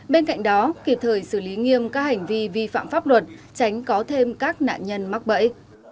bên cạnh đó kịp thời xử lý nghiêm các hành vi vi phạm pháp luật tránh có thêm các nạn nhân mắc bẫy